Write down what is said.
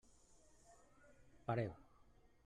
Pareu!